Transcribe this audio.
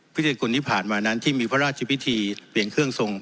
พฤติกุลที่ผ่านมานั้นที่มีพระราชพิธีเปลี่ยนเครื่องทรง